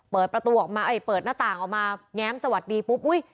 เปิดประตูออกมาเอ้ยเปิดหน้าต่างออกมาแง้มสวัสดีปุ๊บอุ๊ย